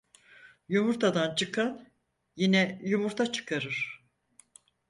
Yumurtadan çıkan yine yumurta çıkarır.